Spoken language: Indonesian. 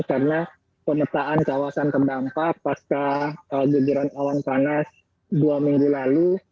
karena pemetaan kawasan terdampak pasca gejuran awan panas dua minggu lalu